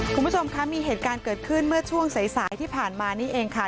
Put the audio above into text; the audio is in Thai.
คุณผู้ชมคะมีเหตุการณ์เกิดขึ้นเมื่อช่วงสายสายที่ผ่านมานี่เองค่ะ